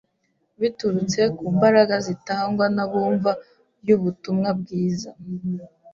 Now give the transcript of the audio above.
Biturutse ku mbaraga zitangwa nabumva y’Ubutumwa bwiza